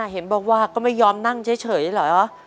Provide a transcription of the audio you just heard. เห็นบอกว่าก็ไม่ยอมนั่งเฉยเหรอ